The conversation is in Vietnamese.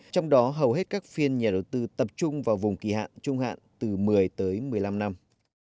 trong đó hầu hết các phiên nhà đầu tư tập trung vào vùng kỳ hạn trung hạn từ một mươi tới một mươi năm năm